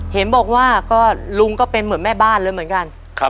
เห็นบอกว่าก็ลุงก็เป็นเหมือนแม่บ้านเลยเหมือนกัน